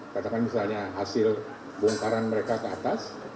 katakan misalnya hasil bongkaran mereka ke atas